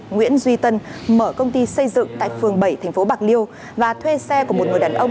nguyễn duy tân mở công ty xây dựng tại phường bảy tp bạc liêu và thuê xe của một người đàn ông